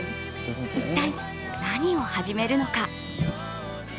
一体、何を始めるのか？